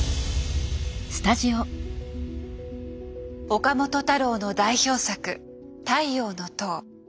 岡本太郎の代表作「太陽の塔」。